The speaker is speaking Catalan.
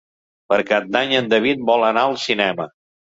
Per Cap d'Any en David vol anar al cinema.